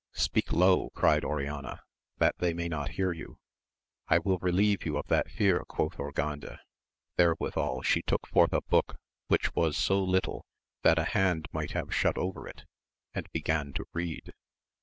Speak low, cried Oriana, that they may not hear you. I will relieve you of that fear, quoth Urganda ; there withall she took forth a book which was so little that a hand might have shut over it, and began to read.